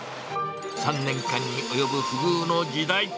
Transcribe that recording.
３年間に及ぶ不遇の時代。